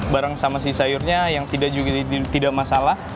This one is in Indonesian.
bareng sama si sayurnya yang juga tidak masalah